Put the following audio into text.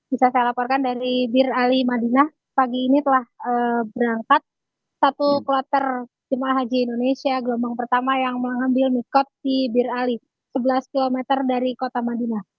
bisa saya laporkan dari bir ali madinah pagi ini telah berangkat satu kloter jemaah haji indonesia gelombang pertama yang mengambil mikot di bir ali sebelas km dari kota madinah